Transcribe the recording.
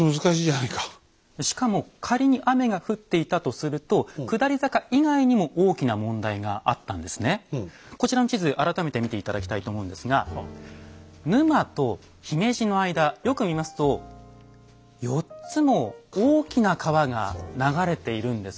しかも仮に雨が降っていたとするとこちらの地図改めて見て頂きたいと思うんですが沼と姫路の間よく見ますと４つも大きな川が流れているんです。